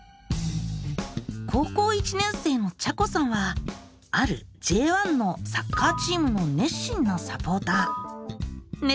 高校１年生のちゃこさんはあるＪ１のサッカーチームの熱心なサポーター。